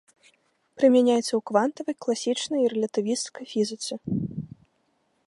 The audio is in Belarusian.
Прымяняецца ў квантавай, класічнай і рэлятывісцкай фізіцы.